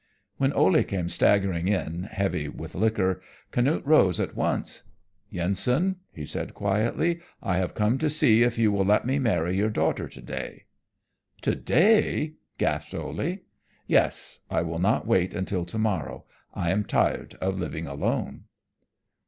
When Ole came staggering in, heavy with liquor, Canute rose at once. "Yensen," he said quietly, "I have come to see if you will let me marry your daughter today." "Today!" gasped Ole. "Yes, I will not wait until tomorrow. I am tired of living alone."